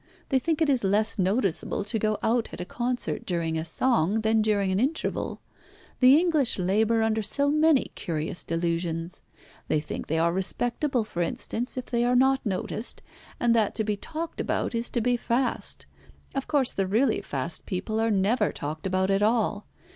They think it is less noticeable to go out at a concert during a song than during an interval. The English labour under so many curious delusions. They think they are respectable, for instance, if they are not noticed, and that to be talked about is to be fast. Of course the really fast people are never talked about at all.